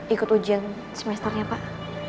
ikut ujian semesternya pak